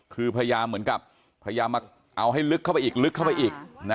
ครับพระยามมาเอาให้ลึกเข้าไปอีกลึกเข้าไปอีก